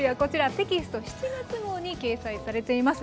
テキスト７月号に掲載されています。